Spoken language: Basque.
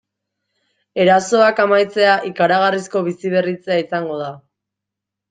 Erasoak amaitzea ikaragarrizko biziberritzea izango da.